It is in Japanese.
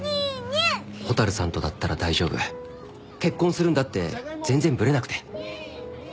蛍さんとだったら大丈夫結婚するんだって全然ブレなくて。